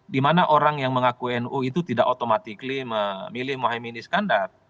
dimana orang yang mengaku nu itu tidak otomatis memilih mohaimin iskandar